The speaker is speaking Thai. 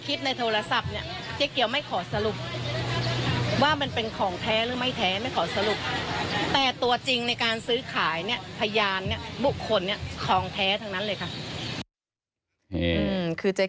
มีความว่ายังไง